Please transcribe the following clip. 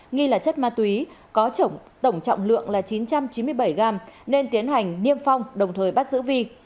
nghi là chất ma túy có tổng trọng lượng là chín trăm chín mươi bảy gram nên tiến hành niêm phong đồng thời bắt giữ vi